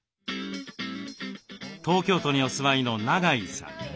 東京都にお住まいの長井さん。